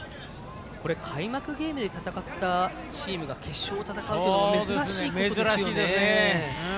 開幕ゲームで戦ったチームが決勝を戦うのは珍しいことですね。